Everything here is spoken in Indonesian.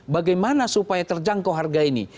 bagaimana supaya terjangkau harga ini